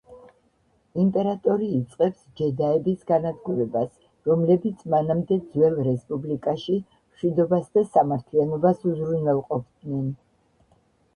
იმპერატორი იწყებს ჯედაების განადგურებას, რომლებიც მანამდე ძველ რესპუბლიკაში მშვიდობას და სამართლიანობას უზრუნველყოფდნენ.